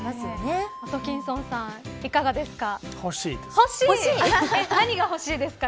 アトキンソンさんいかがですか。